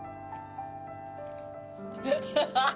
ハハハ！